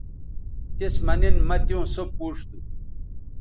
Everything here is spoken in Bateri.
تس مہ نن مہ تیوں سو پوڇ تھو